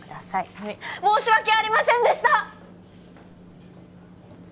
はい申し訳ありませんでした！